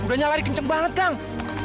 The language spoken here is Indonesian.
kuda nyawari kenceng banget kang